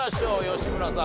吉村さん